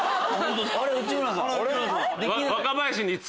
若林に。